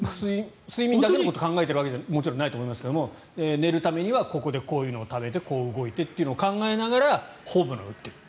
睡眠だけのことを考えてるわけではもちろん、ないと思いますけど寝るためにはここでこういうのを食べてこう動いてというのを考えながらホームランを打っている。